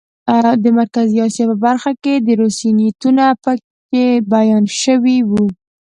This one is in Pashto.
د مرکزي اسیا په برخه کې د روسیې نیتونه پکې بیان شوي وو.